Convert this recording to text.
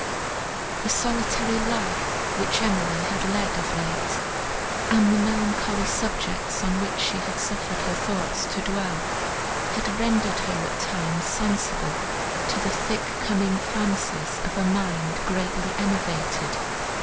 The solitary life, which Emily had led of late, and the melancholy subjects, on which she had suffered her thoughts to dwell, had rendered her at times sensible to the 'thick coming fancies' of a mind greatly enervated.